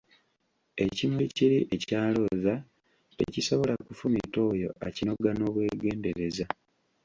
Ekimuli kiri ekya Looza tekisobola kufumita oyo akinoga n'obwegendereza !